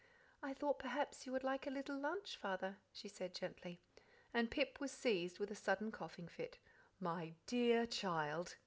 "I thought perhaps you would like a little lunch, Father," she said gently; and Pip was seized with a sudden coughing fit. "My DEAR child!"